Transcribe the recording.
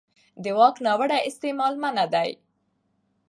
د واک ناوړه استعمال منع دی.